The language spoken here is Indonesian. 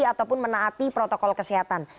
ataupun menaati protokol kesehatan